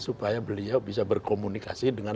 supaya beliau bisa berkomunikasi dengan